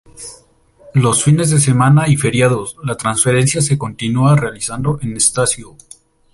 Los fines de semana y feriados, la transferencia se continúa realizando en Estácio.